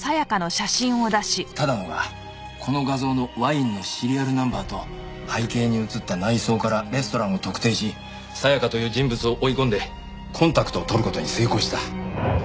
多田野がこの画像のワインのシリアルナンバーと背景に写った内装からレストランを特定しさやかという人物を追い込んでコンタクトを取る事に成功した。